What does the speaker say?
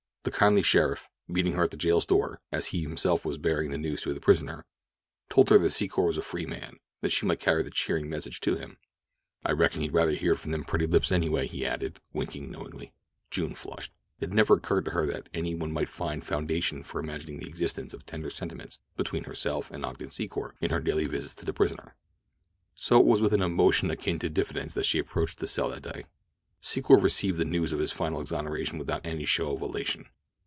The kindly sheriff, meeting her at the jail's door, as he himself was bearing the news to the prisoner, told her that Secor was a free man, and that she might carry the cheering message to him. "I reckon he'd rather hear it from them pretty lips, anyway," he added, winking knowingly. June flushed. It had never occurred to her that any one might find foundation for imagining the existence of tender sentiments between herself and Ogden Secor in her daily visits to the prisoner. So it was with an emotion akin to diffidence that she approached his cell that day. Secor received the news of his final exoneration without any show of elation.